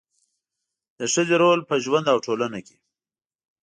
د ښځې رول په ژوند او ټولنه کې